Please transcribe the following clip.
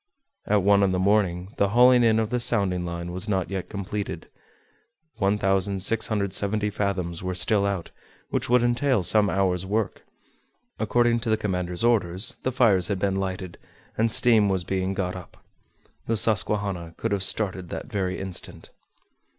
At one in the morning, the hauling in of the sounding line was not yet completed; 1,670 fathoms were still out, which would entail some hours' work. According to the commander's orders, the fires had been lighted, and steam was being got up. The Susquehanna could have started that very instant.